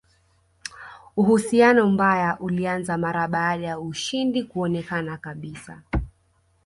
Uhusiano mbaya ulianza mara baada ya ushindi kuonekana kabisa